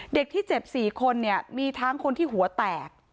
เด็กที่เจ็บ๔คนเนี่ยมีทั้งคนที่หัวแตก